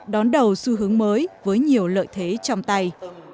đón đầu xu hướng mới với nhiều lợi thế trong tay